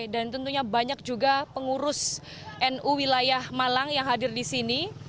dan tentunya banyak juga pengurus nu wilayah malang yang hadir di sini